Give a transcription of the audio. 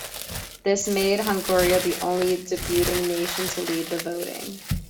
This made Hungary the only debuting nation to lead the voting.